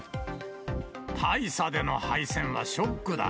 大差での敗戦はショックだ。